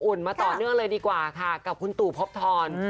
มาต่อเนื่องเลยดีกว่าค่ะกับคุณตู่พบทร